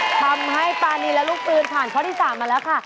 ทำให้ปานีและลูกปืนผ่านข้อที่๓มาแล้วค่ะ